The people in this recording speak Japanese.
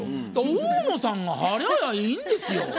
大野さんが払やいいんですよ。